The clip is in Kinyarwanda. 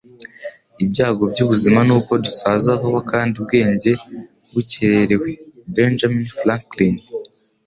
Ibyago byubuzima nuko dusaza vuba kandi ubwenge bukererewe.” - Benjamin Franklin